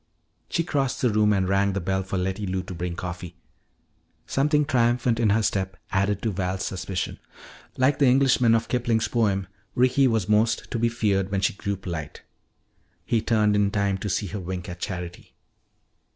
She crossed the room and rang the bell for Letty Lou to bring coffee. Something triumphant in her step added to Val's suspicion. Like the Englishman of Kipling's poem, Ricky was most to be feared when she grew polite. He turned in time to see her wink at Charity.